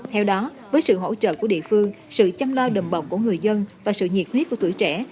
theo đó với sự hỗ trợ của địa phương sự chăm lo đầm bọc của người dân và sự nhiệt huyết của tuổi trẻ